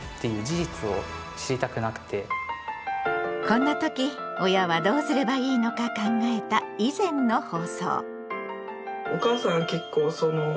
こんな時親はどうすればいいのか考えた以前の放送。